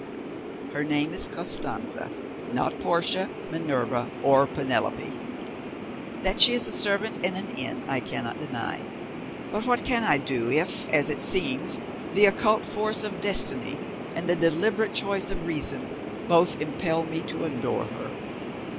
"Her name is Costanza, not Portia, Minerva, or Penelope. That she is a servant in an inn, I cannot deny; but what can I do, if, as it seems, the occult force of destiny, and the deliberate choice of reason, both impel me to adore her?